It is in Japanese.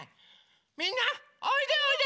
みんなおいでおいで！